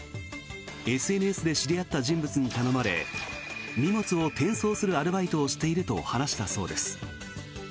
ＳＮＳで知り合った人物に頼まれ荷物を転送するアルバイトをしていると話したそうです。